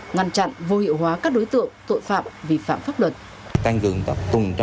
ngăn chặn vô hiệu hóa các đối tượng tội phạm vi phạm pháp luật